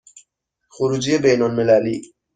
خروجی بین المللی